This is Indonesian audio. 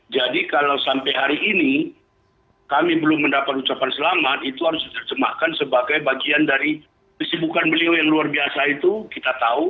jadi kalau sampai hari ini kami belum mendapat ucapan selamat itu harus dicemahkan sebagai bagian dari kesibukan beliau yang luar biasa itu kita tahu